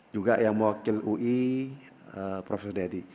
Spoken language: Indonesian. juga yang mewakili ui profesor dedy